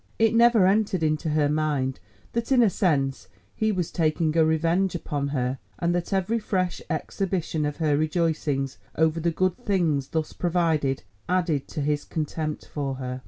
It never entered into her mind that in a sense he was taking a revenge upon her, and that every fresh exhibition of her rejoicings over the good things thus provided added to his contempt for her.